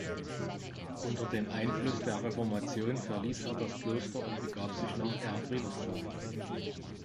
Unter dem Einfluss der Reformation verließ er das Kloster und begab sich nach Ehrenfriedersdorf.